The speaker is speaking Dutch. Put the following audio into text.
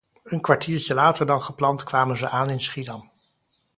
Een kwartiertje later dan gepland kwamen ze aan in Schiedam.